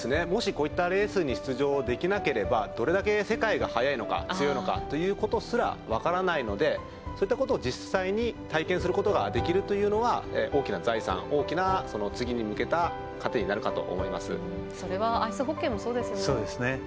もし、こういったレースに出場できなければどれだけ世界が速いのか強いのかすら分からないのでそういったことを実際に体験することができるというのは大きな財産、大きな次に向けたそれはアイスホッケーもそうですね。